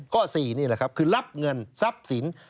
๔นี่แหละครับคือรับเงินทรัพย์สิน